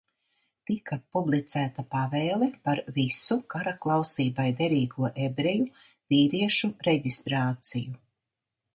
Tika publicēta pavēle par visu karaklausībai derīgo ebreju vīriešu reģistrāciju.